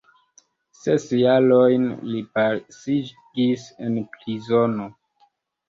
Ses jarojn li pasigis en prizono.